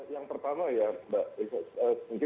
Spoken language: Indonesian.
yang pertama ya mbak